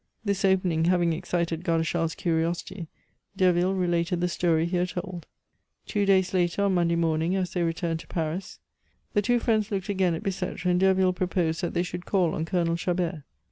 This opening having excited Godeschal's curiosity, Derville related the story here told. Two days later, on Monday morning, as they returned to Paris, the two friends looked again at Bicetre, and Derville proposed that they should call on Colonel Chabert.